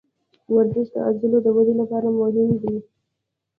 ورزش د عضلو د ودې لپاره مهم دی.